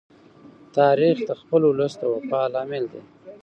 تاریخ د خپل ولس د وفا لامل دی.